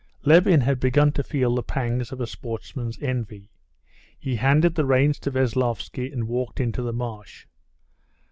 Levin had begun to feel the pangs of a sportsman's envy. He handed the reins to Veslovsky and walked into the marsh.